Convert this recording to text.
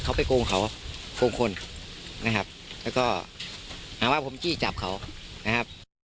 เขาไปโกงเขาโกงคนนะครับแล้วก็หาว่าผมจี้จับเขานะครับ